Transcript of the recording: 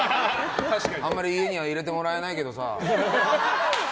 あんまり家には入れてもらえないけどさ。